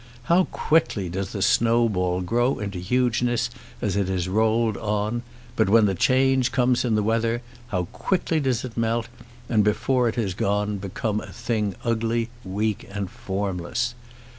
How quickly does the snowball grow into hugeness as it is rolled on, but when the change comes in the weather how quickly does it melt, and before it is gone become a thing ugly, weak, and formless!